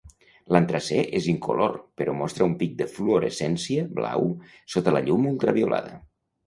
L’antracè és incolor però mostra un pic de fluorescència blau sota la llum ultraviolada.